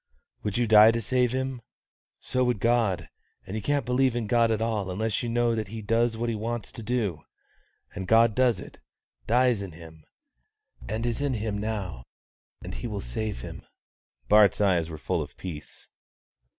"Would you die to save him? So would God; and you can't believe in God at all unless you know that He does what He wants to do. And God does it; dies in him, and is in him now; and He will save him." Bart's eyes were full of peace.